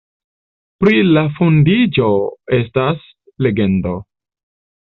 Pri la fondiĝo estas legendo.